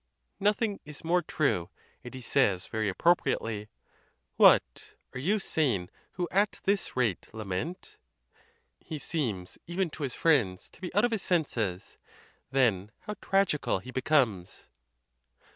Nothing is more true, and he says very appropriately, What, are you sane, who at this rate lament ? He seems even to his friends to be out of his senses: then how tragical he becomes